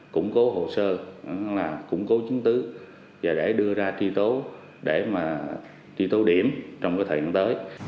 củng cố hồ sơ củng cố chứng tứ và đưa ra tri tố để tri tố điểm trong thời gian tới